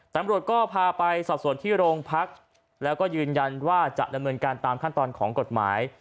ตำรวจก็พาไปสอบส่วนที่โรงพักแล้วก็ยืนยันว่าจะดำเนินการตามขั้นตอนของกฎหมาย